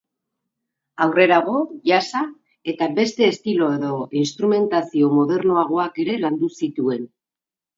Aurrerago, jazza eta beste estilo edo instrumentazio modernoagoak ere landu zituen.